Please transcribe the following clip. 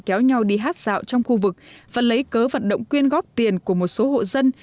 kéo nhau đi hát dạo trong khu vực và lấy cớ vận động quyên góp tiền của một số hộ dân